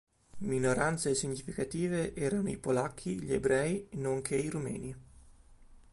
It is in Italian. Minoranze significative erano i polacchi, gli ebrei nonché i rumeni.